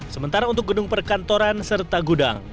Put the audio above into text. sementara untuk gedung perkantoran serta gudang